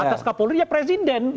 atas kapolri ya presiden